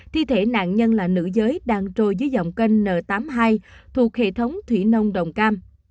thi thể nạn nhân là nữ giới đang trôi dưới dòng kênh n tám mươi hai thuộc hệ thống thủy nông đồng cam